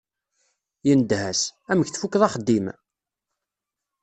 Yendeh-as: Amek tfukeḍ axeddim?